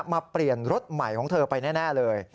เปลี่ยนรถใหม่ของเธอไปแน่เลย